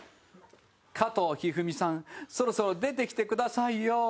加藤一二三さんそろそろ出てきてくださいよ。